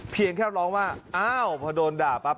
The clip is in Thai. เพียงแค่ร้องว่าอ้าวพอโดนด่าปั๊บ